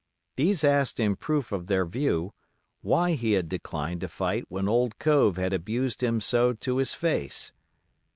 These asked in proof of their view, why he had declined to fight when Old Cove had abused him so to his face.